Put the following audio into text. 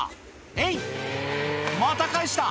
えいっ、また返した。